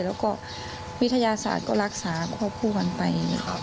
แล้วก็วิทยาศาสตร์ก็รักษาควบคู่กันไป